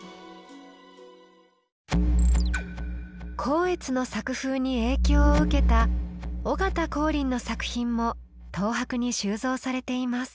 光悦の作風に影響を受けた尾形光琳の作品も東博に収蔵されています。